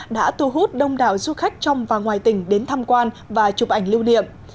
đã thu hút đông đảo du khách trong và ngoài tỉnh đến thăm quan và chụp ảnh lưu điệm